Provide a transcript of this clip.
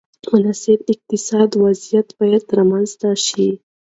مناسب اقتصادي وضعیت باید رامنځته شي.